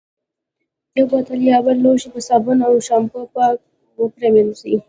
یو بوتل یا بل لوښی په صابون او شامپو پاک پرېمنځي.